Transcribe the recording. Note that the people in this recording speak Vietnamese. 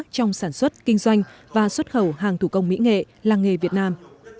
trong sản xuất kinh doanh và xuất khẩu hàng thủ công mỹ nghệ làng nghề việt nam